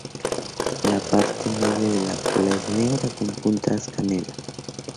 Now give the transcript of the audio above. La parte media de la cola es negra con puntas canela.